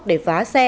để vá xe